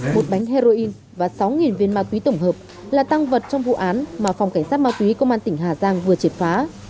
một bánh heroin và sáu viên ma túy tổng hợp là tăng vật trong vụ án mà phòng cảnh sát ma túy công an tỉnh hà giang vừa triệt phá